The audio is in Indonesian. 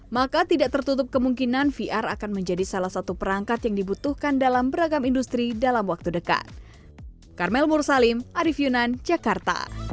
maka tidak tertutup kemungkinan vr akan menjadi salah satu perangkat yang dibutuhkan dalam beragam industri dalam waktu dekat